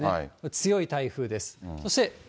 強い台風です。